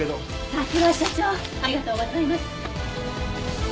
さすが所長ありがとうございます。